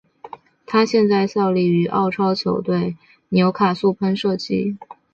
他现在效力于澳超球队纽卡素喷射机。